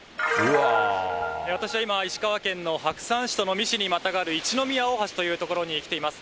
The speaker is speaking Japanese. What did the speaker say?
私は今、石川県の白山市と能美市にまたがる一の宮大橋という所に来ています。